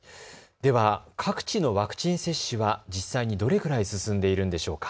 では、各地のワクチン接種は実際にどれくらい進んでいるんでしょうか。